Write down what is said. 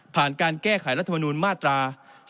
ผ่านการแก้ไขรัฐมนตรา๒๕๖